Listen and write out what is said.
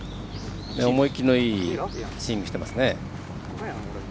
思い切りのいいスイングしてますね。